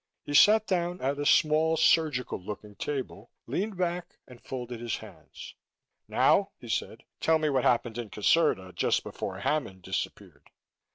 He sat down at a small, surgical looking table, leaned back and folded his hands. "Now," he said, "tell me what happened in Caserta just before Hammond disappeared."